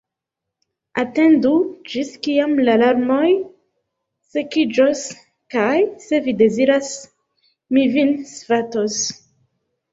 Atendu, ĝis kiam la larmoj sekiĝos, kaj, se vi deziras, mi vin svatos.